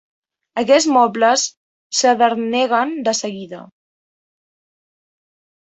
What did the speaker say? Aquests mobles s'esderneguen de seguida.